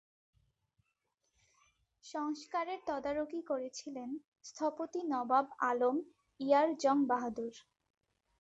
সংস্কারের তদারকি করেছিলেন স্থপতি নবাব আলম ইয়ার জং বাহাদুর।